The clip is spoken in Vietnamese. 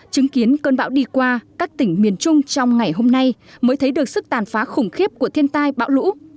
chứng kiến cơn bão đi qua các tỉnh miền trung trong ngày hôm nay mới thấy được sức tàn phá khủng khiếp của thiên tai bão lũ